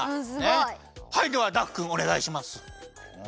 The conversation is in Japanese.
はいではダクくんおねがいします！